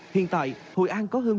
hiện tại hội an có hơn